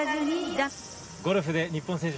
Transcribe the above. ゴルフで日本選手